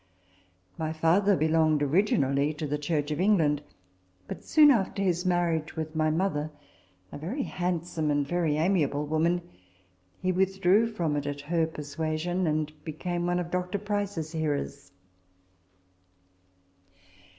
My father belonged originally to the Church of England ; but, soon after his marriage with my mother (a very handsome and very amiable woman), he withdrew from it at her persuasion, and became one of Dr. Price's hearers.